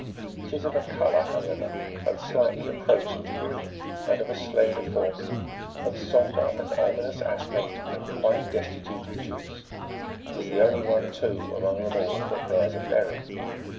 It is of a colour, however, but slightly approaching to green, and of a slender form ; of sombre and ominous aspect, and quite destitute of juice : it is the only one, too, among them all, that bears a berry.